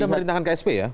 oh ada memerintahkan ksp ya